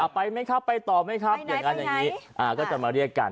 ไปไหมครับไปต่อไหมครับอย่างนั้นอย่างนี้ก็จะมาเรียกกัน